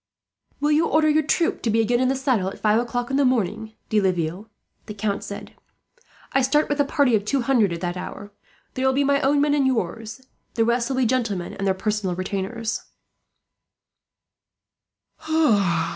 "Will you order your troop to be again in the saddle at five o'clock in the morning, De Laville?" the Count said. "I start with a party of two hundred at that hour. There will be my own men and yours. The rest will be gentlemen and their personal retainers."